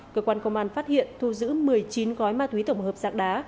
cơ quan công an phát hiện thu giữ một mươi chín gói ma túy tổng hợp dạng đá